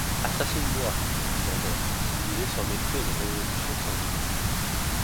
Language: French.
Assassine-moi, dit Lambert, qui lisait sur mes traits une résolution sanguinaire.